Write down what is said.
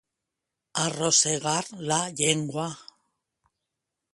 Arrossegar la llengua.